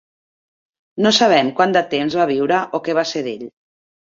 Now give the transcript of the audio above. No sabem quant de temps va viure o què va ser d'ell.